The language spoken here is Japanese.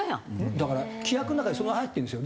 だから規約の中にそれが入ってるんですよ。